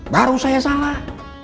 baru saya salah